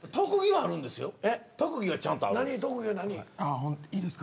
あっいいですか？